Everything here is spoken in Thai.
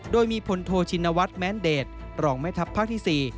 โดยมีพลโทชินวัฒน์แม้นเดชรองแม่ทัพภาคที่๔